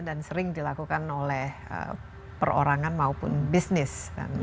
dan sering dilakukan oleh perorangan maupun bisnis